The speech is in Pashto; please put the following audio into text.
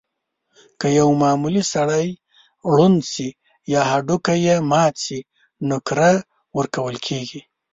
که یو معمولي سړی ړوند شي یا هډوکی یې مات شي، نقره ورکول کېږي.